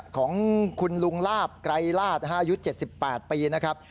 ของคุณลุงลาบไกรลาศอายุ๗๘ปีนะครับ